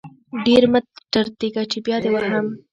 ډير مه ټرتيږه چې بيا دې وهم.